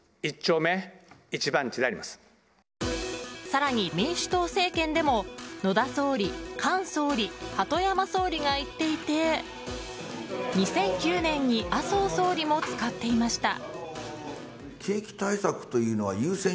更に民主党政権でも野田総理、菅総理鳩山総理が言っていて２００９年に麻生総理も使っていました。